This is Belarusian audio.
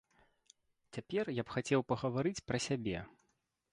Цяпер я б хацеў пагаварыць пра сябе.